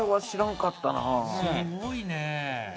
すごいね。